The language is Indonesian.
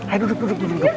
ayo duduk duduk duduk